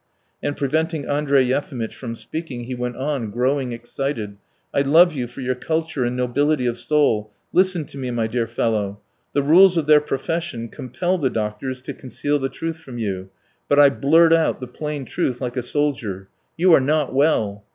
And preventing Andrey Yefimitch from speaking, he went on, growing excited: "I love you for your culture and nobility of soul. Listen to me, my dear fellow. The rules of their profession compel the doctors to conceal the truth from you, but I blurt out the plain truth like a soldier. You are not well!